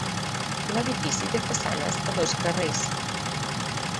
L'edifici té façanes a dos carrers.